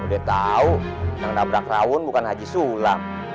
udah tahu yang daprak rawun bukan haji sulam